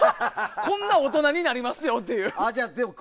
こんな大人になりますよっていう。